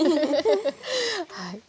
はい。